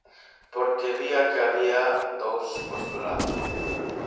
Porque vía que había dous postulados.